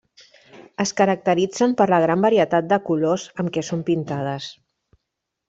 Es caracteritzen per la gran varietat de colors amb què són pintades.